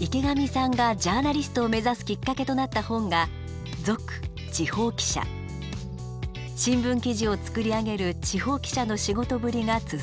池上さんがジャーナリストを目指すきっかけとなった本が新聞記事を作り上げる地方記者の仕事ぶりがつづられています。